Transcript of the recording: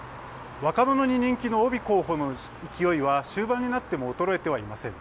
若者に人気のオビ候補の勢いは終盤になっても衰えてはいません。